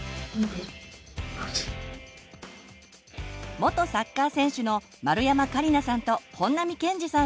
元サッカー選手の丸山桂里奈さんと本並健治さん